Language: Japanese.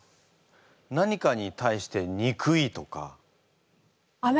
何かに対して憎いとか。